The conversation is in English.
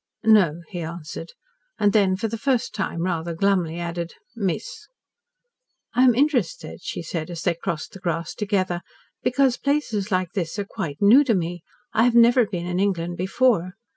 "No," he answered, and then for the first time rather glumly added, "miss." "I am interested," she said, as they crossed the grass together, "because places like this are quite new to me. I have never been in England before."